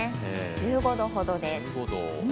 １５度ほどです。